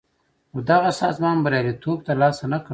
خو دغه سازمان بریالیتوب تر لاسه نه کړ.